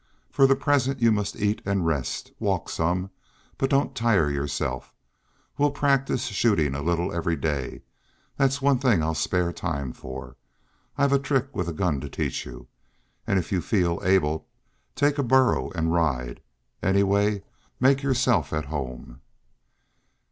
"For the present you must eat and rest. Walk some, but don't tire yourself. We'll practice shooting a little every day; that's one thing I'll spare time for. I've a trick with a gun to teach you. And if you feel able, take a burro and ride. Anyway, make yourself at home."